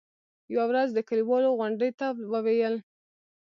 يوه ورځ د کلیوالو غونډې ته وویل.